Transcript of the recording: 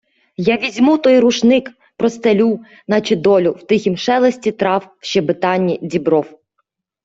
Я візьму той рушник, простелю, наче долю, в тихім шелесті трав, в щебетанні дібров